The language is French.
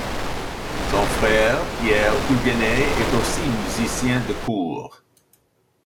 Son frère Pierre Huguenet est aussi musicien de cour.